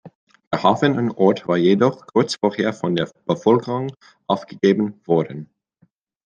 Der Hafen und Ort war jedoch kurz vorher von der Bevölkerung aufgegeben worden.